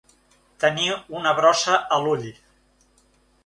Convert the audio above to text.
Tenir una brossa a l'ull.